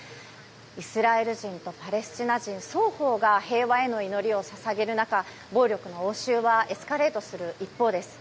イスラエル人とパレスチナ人双方が平和への祈りを捧げる中暴力の応酬はエスカレートする一方です。